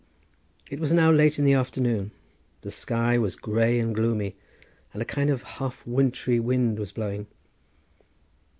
It was now late in the afternoon, the sky was grey and gloomy, and a kind of half wintry wind was blowing.